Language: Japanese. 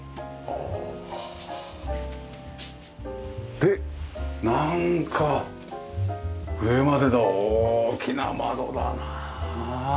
でなんか上までの大きな窓だなあ。